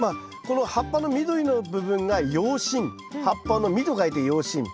この葉っぱの緑の部分が葉身葉っぱの身と書いて葉身。